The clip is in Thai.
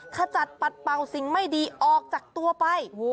ขจัดปัดเป่าสิ่งไม่ดีออกจากตัวไป